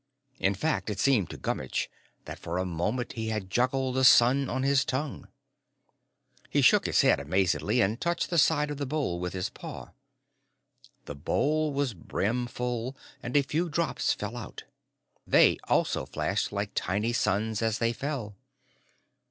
In fact, it seemed to Gummitch that for a moment he had juggled the sun on his tongue. He shook his head amazedly and touched the side of the bowl with his paw. The bowl was brimful and a few drops fell out; they also flashed like tiny suns as they fell.